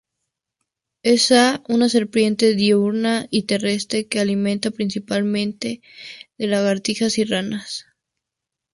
Es una serpiente diurna y terrestre que se alimenta principalmente de lagartijas y ranas.